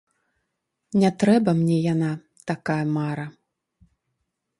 Не трэба мне яна, такая мара.